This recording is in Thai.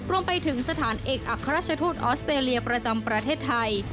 รวมไปถึงสถานเอกอัครราชทูตออสเตรเลียประจำประเทศไทย